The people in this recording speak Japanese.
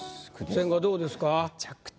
千賀どうですか？